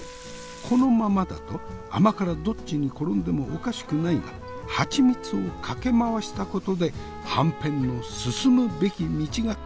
このままだと甘辛どっちに転んでもおかしくないがハチミツをかけ回したことではんぺんの進むべき道が決した。